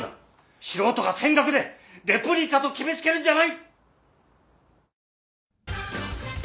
素人が浅学でレプリカと決め付けるんじゃない！